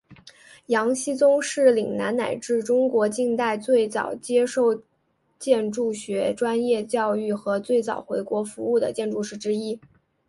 杨锡宗是岭南乃至中国近代最早接受建筑学专业教育和最早回国服务的建筑师之一。